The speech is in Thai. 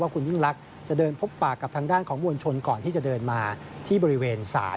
คุณยิ่งลักษณ์จะเดินพบปากกับทางด้านของมวลชนก่อนที่จะเดินมาที่บริเวณศาล